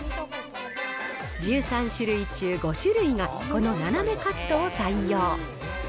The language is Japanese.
１３種類中５種類がこのななめカットを採用。